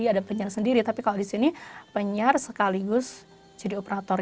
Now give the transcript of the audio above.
ada penyiar sendiri tapi kalau di sini penyiar sekaligus jadi operator